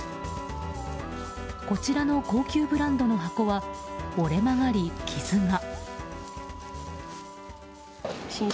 こちらの高級ブランドの箱は折れ曲がり傷が。